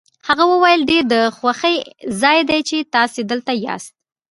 هغه وویل ډېر د خوښۍ ځای دی چې تاسي دلته یاست.